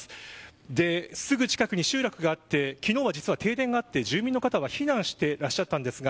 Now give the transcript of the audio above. すぐ近くに集落があって、昨日実は停電があって、住民の方は避難していらっしゃいました。